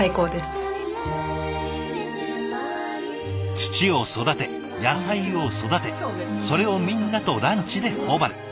土を育て野菜を育てそれをみんなとランチで頬張る。